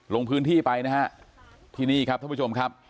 ลงพื้นที่ไปนะฮะที่นี่ครับท่านผู้ชมครับ